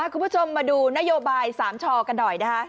คุณผู้ชมมาดูนโยบาย๓ชอกันหน่อยนะคะ